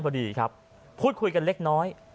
พอดีครับพูดคุยกันเล็กน้อย